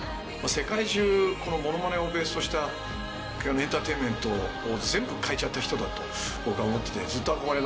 世界中このものまねをベースとしたエンターテインメントを全部変えちゃった人だと僕は思ってて。